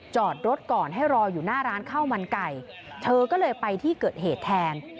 จอดรถก่อนให้รออยู่หน้าร้านข้าวมันไก่เธอก็เลยไปที่เกิดเหตุแทน